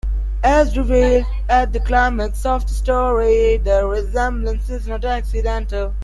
As revealed at the climax of the story, the resemblance is not accidental.